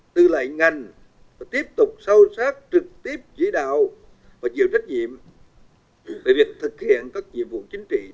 tuy kết quả như vậy nhưng cũng cần nhìn thấy nhiều hạn chế yếu kém trên nhiều lĩnh vực và cần phải nỗ lực hơn nữa trong những tháng cuối năm